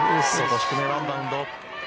低め、ワンバウンド。